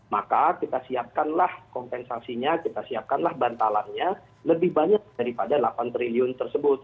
maka kita siapkanlah kompensasinya kita siapkanlah bantalannya lebih banyak daripada delapan triliun tersebut